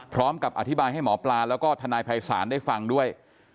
พร้อมกับอธิบายให้หมอปลาแล้วก็ทนายภัยศาลได้ฟังด้วย